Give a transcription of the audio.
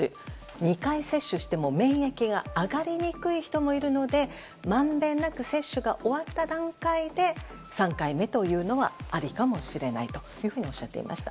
２回接種しても免疫が上がりにくい人もいるのでまんべんなく接種が終わった段階で３回目というのはありかもしれないとおっしゃっていました。